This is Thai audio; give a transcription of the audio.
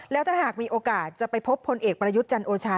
แล้วถ้าหากมีโอกาสจะไปพบพลเอกประยุทธ์จันโอชา